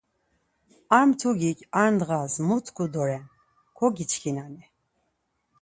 Ar mtugik ar ndğas mu tku doren, kogiçkinani?